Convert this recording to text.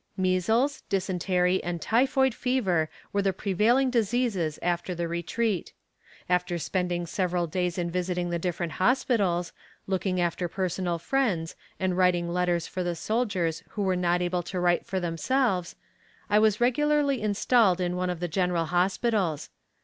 Measels, dysentery and typhoid fever were the prevailing diseases after the retreat. After spending several days in visiting the different hospitals, looking after personal friends, and writing letters for the soldiers who were not able to write for themselves, I was regularly installed in one of the general hospitals.